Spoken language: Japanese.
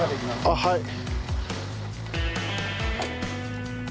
あっはい。